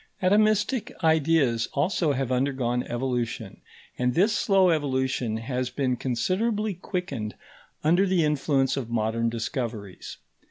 Atomistic ideas also have undergone evolution, and this slow evolution has been considerably quickened under the influence of modern discoveries.